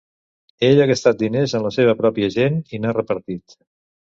Ell ha gastat diners en la seva pròpia gent i n'ha repartit.